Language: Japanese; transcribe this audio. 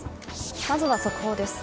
まずは速報です。